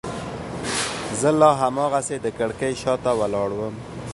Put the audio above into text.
زه لا هماغسې د کړکۍ شاته ولاړ وم.